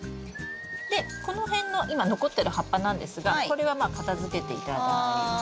でこの辺の今残ってる葉っぱなんですがこれはまあ片づけて頂いて。